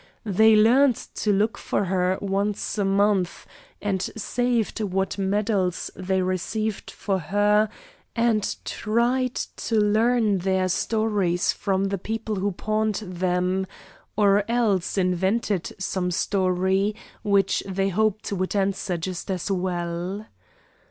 They learned to look for her once a month, and saved what medals they received for her and tried to learn their stories from the people who pawned them, or else invented some story which they hoped would answer just as well.